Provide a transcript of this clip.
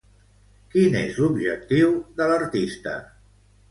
Quin és l'objectiu de l'artista?